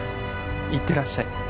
行ってらっしゃい。